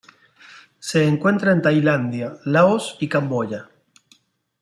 Se encuentra en Tailandia, Laos y Camboya.